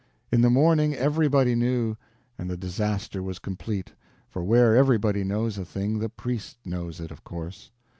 In the morning everybody knew, and the disaster was complete, for where everybody knows a thing the priest knows it, of course.